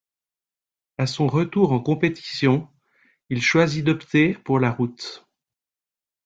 À son retour en compétition, il choisit d'opter pour la route.